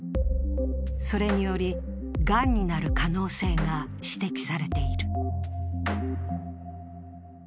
それにより、がんになる可能性が指摘されている。